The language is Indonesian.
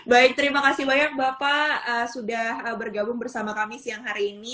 baik terima kasih banyak bapak sudah bergabung bersama kami siang hari ini